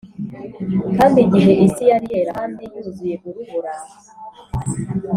“kandi igihe isi yari yera kandi yuzuye urubura,